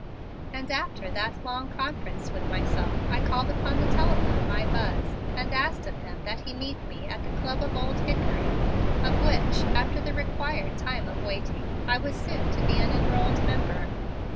And after that long conference with myself I called upon the telephone my Buzz and asked of him that he meet me at the Club of Old Hickory, of which, after the required time of waiting, I was soon to be an enrolled member.